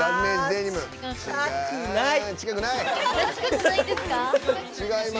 近くない！